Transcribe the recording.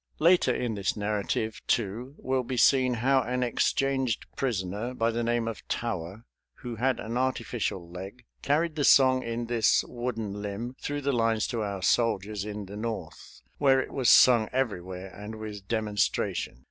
Later in this narrative, too, will be seen how an exchanged prisoner, by the name of Tower, who had an artificial leg, carried the song in this wooden limb through the lines to our soldiers in the North, where it was sung everywhere and with demonstration.